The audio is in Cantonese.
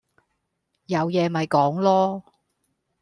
有嘢咪講囉